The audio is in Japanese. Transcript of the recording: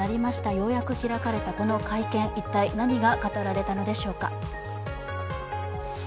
ようやく開かれたこの会見、一体何が語られたのでしょうか。